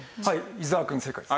伊沢くん正解です。